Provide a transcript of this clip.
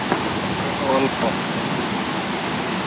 Menu অল্প।